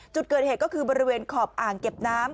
จุดเกิดเหตุก็คือบริเวณขอบอ่างเก็บน้ำ